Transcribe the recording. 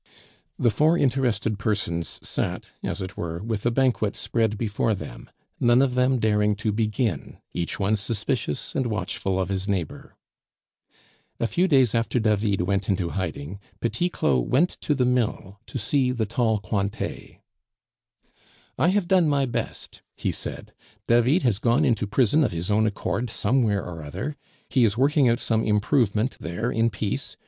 The four interested persons sat, as it were, with a banquet spread before them, none of them daring to begin, each one suspicious and watchful of his neighbor. A few days after David went into hiding, Petit Claud went to the mill to see the tall Cointet. "I have done my best," he said; "David has gone into prison of his own accord somewhere or other; he is working out some improvement there in peace.